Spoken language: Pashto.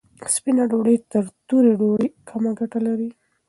سپینه ډوډۍ تر تورې ډوډۍ کمه ګټه لري.